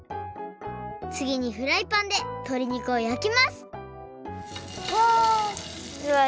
つぎにフライパンでとりにくをやきますうわ！